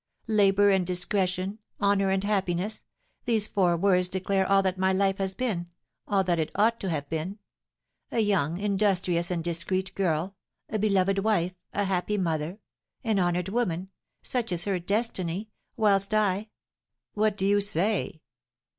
'Labour and discretion, honour and happiness,' these four words declare all that my life has been, all that it ought to have been, a young, industrious, and discreet girl, a beloved wife, a happy mother, an honoured woman, such is her destiny; whilst I " "What do you say?"